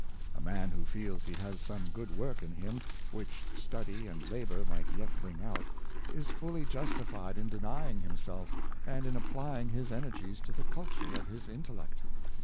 A man who feels he has some good work in him, which study 414 Samuel Richardson, and labor might yet bring out, is fully justified in deny ing himself, and in applying his energies to the culture of his intellect.